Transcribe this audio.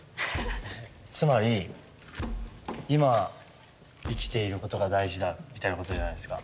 つまり「今生きていることが大事だ」みたいなことじゃないですか。